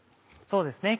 そうですね。